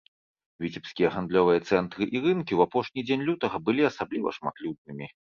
Віцебскія гандлёвыя цэнтры і рынкі ў апошні дзень лютага былі асабліва шматлюднымі.